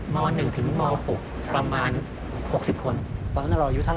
ม๑ม๖ประมาณ๖๐คน